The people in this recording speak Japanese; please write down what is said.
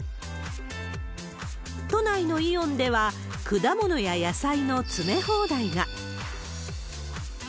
都内のイオンでは、果物や野菜の詰め放題が。